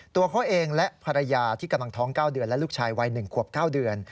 ตัวเขาเองและภรรยาที่กำลังท้อง๙เดือนและลูกชายวัย๑ขวบ๙เดือน